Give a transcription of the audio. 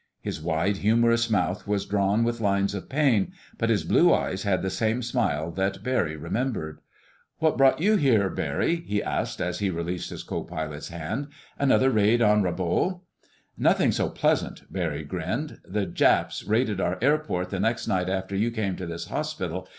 His wide, humorous mouth was drawn with lines of pain, but his blue eyes had the same smile that Barry remembered. "What brought you here, Barry?" he asked as he released his co pilot's hand. "Another raid on Rabaul?" "Nothing so pleasant," Barry grinned. "The Japs raided our airport the next night after you came to this hospital.